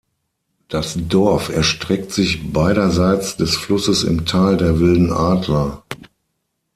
Das Dorf erstreckt sich beiderseits des Flusses im Tal der Wilden Adler.